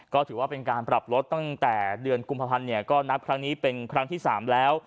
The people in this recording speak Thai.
ก็ถือว่าเป็นการปรับลดตั้งแต่เดือนกุมภาพันธ์เนี่ยก็นับครั้งนี้เป็นครั้งที่๓แล้ว